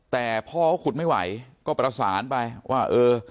แต่พ่อเขาขุดไม่ไหวก็ประสานไปว่าเออ